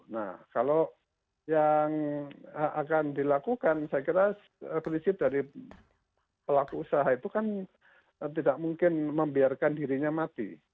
nah kalau yang akan dilakukan saya kira prinsip dari pelaku usaha itu kan tidak mungkin membiarkan dirinya mati